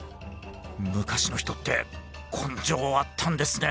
昔の人って根性あったんですね。